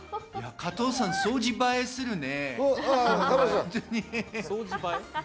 加藤さん、掃除映えするね。